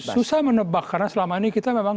susah menebak karena selama ini kita memang